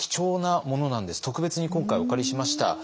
特別に今回お借りしました。